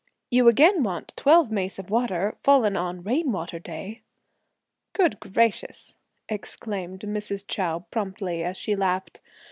You again want twelve mace of water, fallen on 'rain water' day....." "Good gracious!" exclaimed Mrs. Chou promptly, as she laughed.